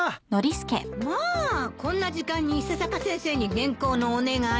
まあこんな時間に伊佐坂先生に原稿のお願い？